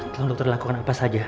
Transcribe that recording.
tolong dokter lakukan apa saja